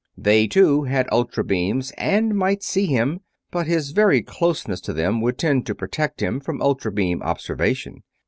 They, too, had ultra beams and might see him, but his very closeness to them would tend to protect him from ultra beam observation.